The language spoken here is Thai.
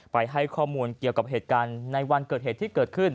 ให้ข้อมูลเกี่ยวกับเหตุการณ์ในวันเกิดเหตุที่เกิดขึ้น